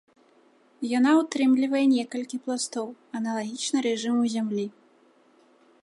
Яна ўтрымлівае некалькі пластоў, аналагічна рэжыму зямлі.